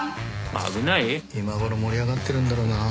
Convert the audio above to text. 今ごろ盛り上がってるんだろうな。